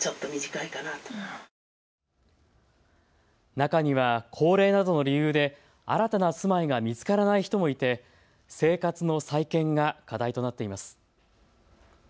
中には高齢などの理由で新たな住まいが見つからない人もいて生活の再建が課題となっています。